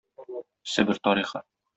Себер тарихы.